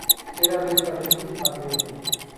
Era abiertamente ateo.